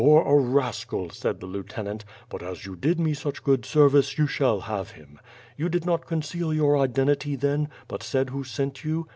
*' "You're a rascal," said the lieutenant, "but as you did me such pfood service, you shall have him. You did not conceal your identity then, but said who sent you?"